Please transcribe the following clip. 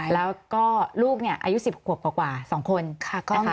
แล้วก็ลูกเนี่ยอายุ๑๐ขวบกว่า๒คนนะคะ